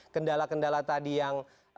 kendala kendala tadi yang